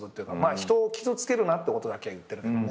人を傷つけるなってことだけは言ってるけどね。